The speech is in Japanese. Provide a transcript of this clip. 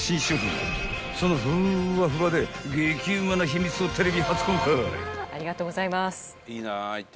［そのふわふわで激うまな秘密をテレビ初公開］